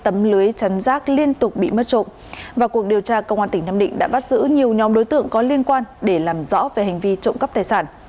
tấm lưới chắn rác liên tục bị mất trộm vào cuộc điều tra công an tỉnh nam định đã bắt giữ nhiều nhóm đối tượng có liên quan để làm rõ về hành vi trộm cắp tài sản